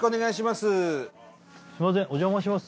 すいませんおじゃまします